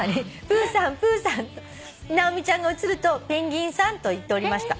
「『プーさんプーさん』と直美ちゃんが映ると『ペンギンさん』と言っておりました」